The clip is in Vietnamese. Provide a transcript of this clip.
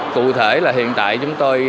cụ thể là hiện tại chúng tôi